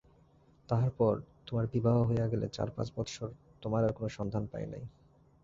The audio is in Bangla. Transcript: তাহার পর তোমার বিবাহ হইয়া গেলে চারপাঁচ বৎসর তোমার আর কোনো সন্ধান পাই নাই।